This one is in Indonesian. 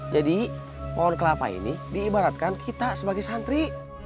jadi pohon kelapa ini diibaratkan kita sebagai santri